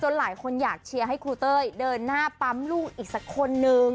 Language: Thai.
หลายคนอยากเชียร์ให้ครูเต้ยเดินหน้าปั๊มลูกอีกสักคนนึง